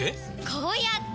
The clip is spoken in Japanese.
こうやって！